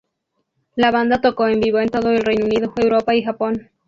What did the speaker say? La banda tocó en vivo en todo el Reino Unido, Europa y Japón.